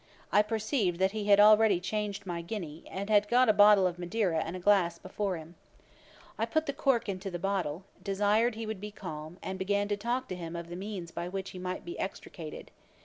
I perceived that he had already changed my guinea, and had got a bottle of Madeira and a glass before him. I put the cork into the bottle, desired he would be calm, and began to talk to him of the means by which he might be extricated.